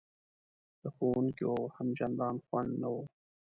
د ښوونکیو هم چندان خوند نه و.